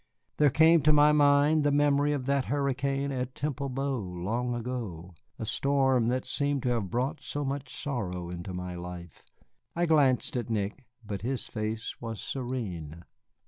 There came to my mind the memory of that hurricane at Temple Bow long ago, a storm that seemed to have brought so much sorrow into my life. I glanced at Nick, but his face was serene.